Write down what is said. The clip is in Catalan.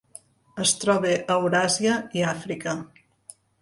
Es troba a Euràsia i Àfrica.